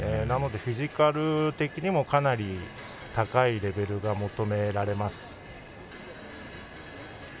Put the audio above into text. なのでフィジカル的にもかなり高いレベルが求められます。